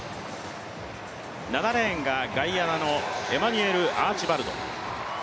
７レーンがガイアナのエマニュエル・アーチバルド。